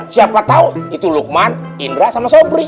siapa tau itu lukman indra sama sopri